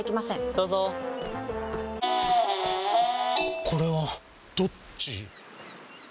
どうぞこれはどっち？